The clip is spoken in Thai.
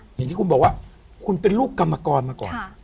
อย่างที่คุณบอกว่าคุณเป็นลูกกรรมกรมาก่อน